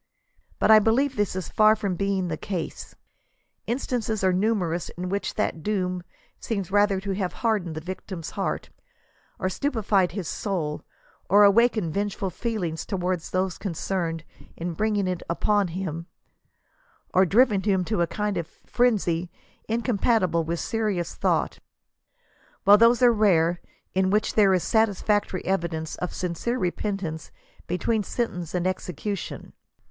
But I believe this is far from being the case. In stances are numerous in which that doom seems rather to have hardened the victim's heart, or stupified bis soul, or awakened vengeful feelings toward those concerned in bringing it upon him, o#4riven him to a kind of frenzy incompatible with serious thought; while those are rare in which there is satisfactory evi dence of sincere repentance between sentence and execution.